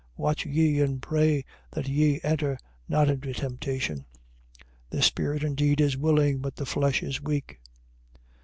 Watch ye: and pray that ye enter not into temptation. The spirit indeed is willing, but the flesh is weak.